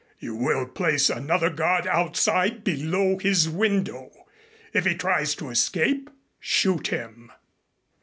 You will place another guard outside below his window. If he tries to escape, shoot him."